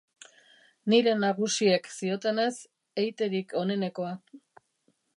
Nire nagusiek ziotenez, eiterik onenekoa.